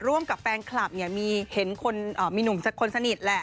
ร่วมกับแฟนคลับเนี่ยมีหนุ่มคนสนิทแหละ